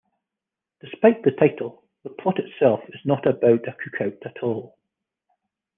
Despite the title, the plot itself is not about a cook-out at all.